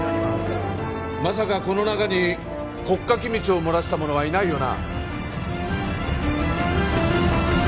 まさかこの中に国家機密を漏らした者はいないよな？